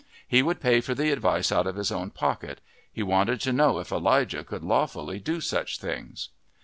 He would pay for the advice out of his own pocket; he wanted to know if Elijah could lawfully do such things.